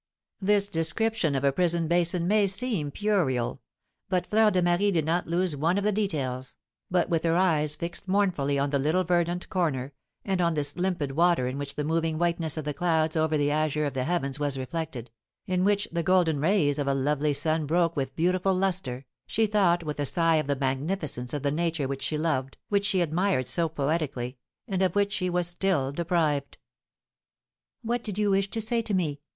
This description of a prison basin may seem puerile; but Fleur de Marie did not lose one of the details, but with her eyes fixed mournfully on the little verdant corner, and on this limpid water in which the moving whiteness of the clouds over the azure of the heavens was reflected, in which the golden rays of a lovely sun broke with beautiful lustre, she thought with a sigh of the magnificence of the Nature which she loved, which she admired so poetically, and of which she was still deprived. "What did you wish to say to me?"